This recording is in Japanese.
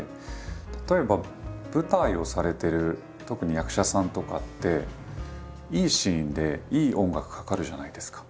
例えば舞台をされてる特に役者さんとかっていいシーンでいい音楽かかるじゃないですか。